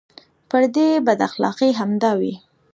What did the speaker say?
پردۍ بداخلاقۍ همدا وې.